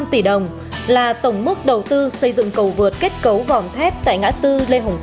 ba trăm linh tỷ đồng là tổng mức đầu tư xây dựng cầu vượt kết cấu vòng thép tại ngã tư lê hồng sơn